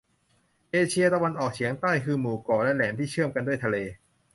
เอเชียตะวันออกเฉียงใต้คือหมู่เกาะและแหลมที่เชื่อมกันด้วยทะเล